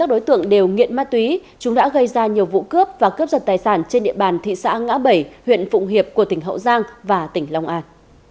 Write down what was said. hai mươi đối tượng đều nghiện ma túy chúng đã gây ra nhiều vụ cướp và cướp giật tài sản trên địa bàn thị xã ngã bảy huyện phụng hiệp của tỉnh hậu giang và tỉnh long an